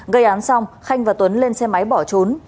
gây án xong khanh và tuấn lên xe máy bỏ trốn